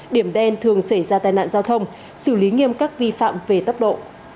điểm đen thường xảy ra tai nạn giao thông xử lý nghiêm các vi phạm về tốc độ